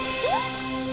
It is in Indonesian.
iya dia sudah pulang